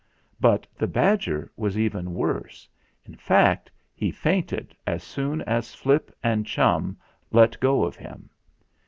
But the badger was even worse; in fact, he fainted as soon as Flip and Chum let go of him.